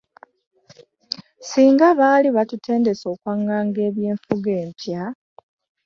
Singa baali batutendese okwaŋŋanga eby’enfuga empya.